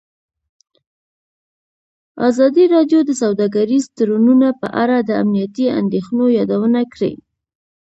ازادي راډیو د سوداګریز تړونونه په اړه د امنیتي اندېښنو یادونه کړې.